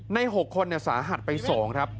ใน๖คนสาหัสไป๒ครับ